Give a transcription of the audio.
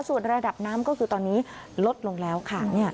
ส่วนระดับน้ำก็คือตอนนี้ลดลงแล้วค่ะ